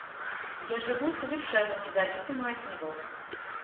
Я живу совершенно независимо от него.